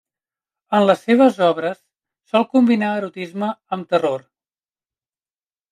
En les seues obres sol combinar erotisme amb terror.